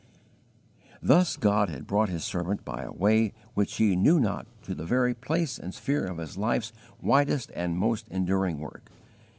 * Vol. I. 105. Thus God had brought His servant by a way which he knew not to the very place and sphere of his life's widest and most enduring work.